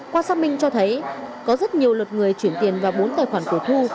qua xác minh cho thấy có rất nhiều lượt người chuyển tiền vào bốn tài khoản của thu